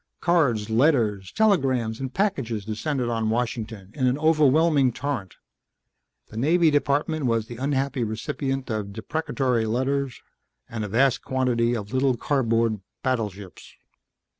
Cards, letters, telegrams and packages descended on Washington in an overwhelming torrent. The Navy Department was the unhappy recipient of deprecatory letters and a vast quantity of little cardboard battleships.